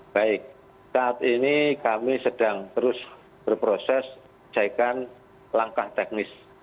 baik saat ini kami sedang terus berproses caikan langkah teknis